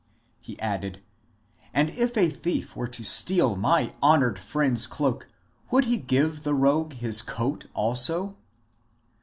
^^ And," he added, *^ if a thief were to steal my honoured friend's cloak, would he give the rogue his coat also?